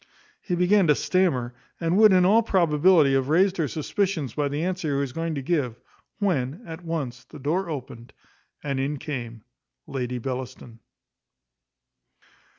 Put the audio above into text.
He began to stammer, and would, in all probability, have raised her suspicions by the answer he was going to give, when, at once, the door opened, and in came Lady Bellaston.